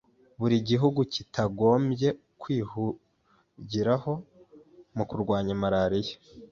buri gihugu kitagombye kwihugiraho mu kurwanya Malariya